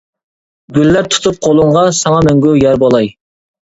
گۈللەر تۇتۇپ قۇلۇڭغا، ساڭا مەڭگۈ يار بولاي.